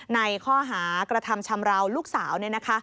ในข้อหากระทำชำราวลูกสาว